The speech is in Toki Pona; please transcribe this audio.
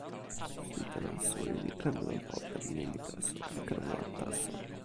sitelen suli li ken lon open nimi taso, li ken wan taso.